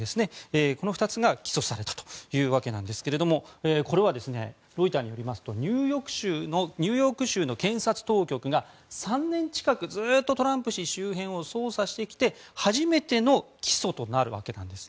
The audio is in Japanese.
この２つが起訴されたというわけですがこれはロイターによりますとニューヨーク州の検察当局が３年近くずっとトランプ氏周辺を捜査してきて初めての起訴となるわけです。